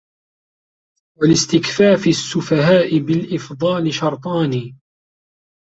وَلِاسْتِكْفَافِ السُّفَهَاءِ بِالْإِفْضَالِ شَرْطَانِ